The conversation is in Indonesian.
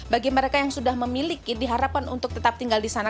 bagi mereka yang sudah memiliki diharapkan untuk tetap tinggal di sana